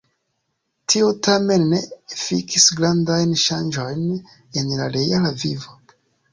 Tio tamen ne efikis grandajn ŝanĝojn en la reala vivo.